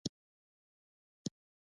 عطرونه د ورځني ژوند لپاره اړین دي.